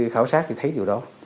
khảo sát thì thấy điều đó